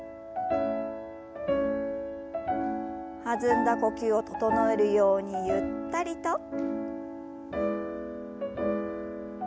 弾んだ呼吸を整えるようにゆったりと。